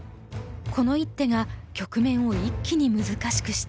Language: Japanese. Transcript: この一手が局面を一気に難しくした。